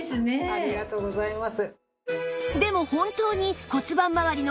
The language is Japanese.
ありがとうございます。